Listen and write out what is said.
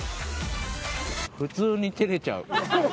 普通に照れちゃう。